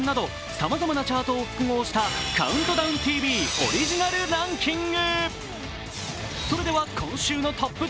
さまざまなチャートを複合した「ＣＤＴＶ」オリジナルランキング。